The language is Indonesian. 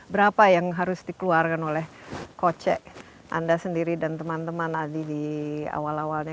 berapa yang harus dikeluarkan oleh kocek anda sendiri dan teman teman aldi di awal awalnya